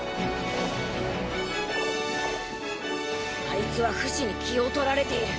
あいつはフシに気を取られている。